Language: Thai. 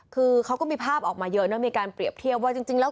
คือเขาก็มีภาพออกมาเยอะนะมีการเปรียบเทียบว่าจริงแล้ว